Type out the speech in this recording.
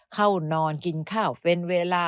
เข้านอนกินข้าวเป็นเวลา